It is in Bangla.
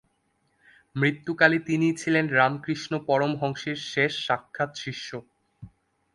মৃত্যুকালে তিনিই ছিলেন রামকৃষ্ণ পরমহংসের শেষ সাক্ষাৎশিষ্য।